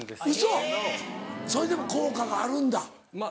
ウソそれでも効果があるんだ。